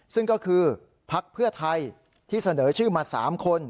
ซึ่งก็คือพักเพื่อไทยที่เสนอชื่อมา๓คน